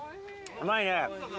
うまいね。